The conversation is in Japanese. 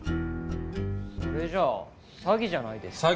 それじゃ詐欺じゃないですか？